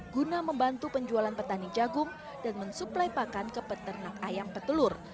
guna membantu penjualan petani jagung dan mensuplai pakan ke peternak ayam petelur